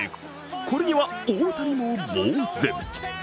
これには大谷もぼう然。